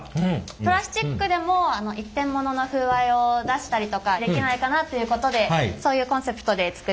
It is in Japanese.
プラスチックでも一点物の風合いを出したりとかできないかなということでそういうコンセプトで作っております。